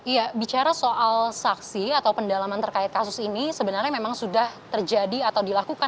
ya bicara soal saksi atau pendalaman terkait kasus ini sebenarnya memang sudah terjadi atau dilakukan